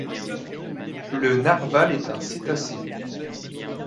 Le narval est un cétacés